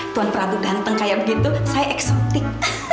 tuan prabu ganteng kayak begitu saya eksotik